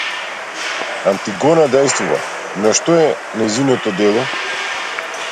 Антигона дејствува, но што е нејзиното дело?